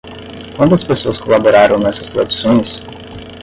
Quantas pessoas colaboraram nessas traduções?